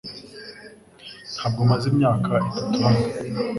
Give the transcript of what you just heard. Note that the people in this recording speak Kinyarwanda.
Ntabwo maze imyaka itatu hano